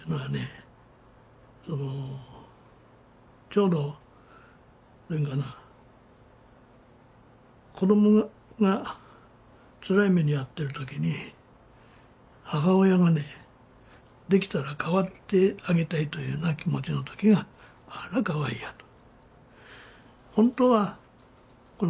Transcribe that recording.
ちょうど子どもがつらい目に遭ってるときに母親がねできたら代わってあげたいというような気持ちのときが「あらかわいや」と。